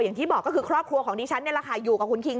อย่างที่บอกก็คือครอบครัวของที่ฉันอยู่กับคุณคิง